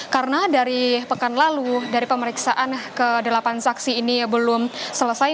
karena dari pekan lalu dari pemeriksaan ke delapan saksi ini belum selesai